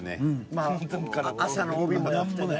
まあ朝の帯もやってね。